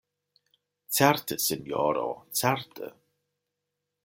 Certe, sinjoro, certe!